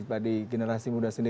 pada generasi muda sendiri